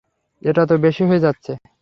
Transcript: এটা তো বেশি হয়ে যাচ্ছে।